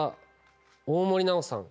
大森南朋さん。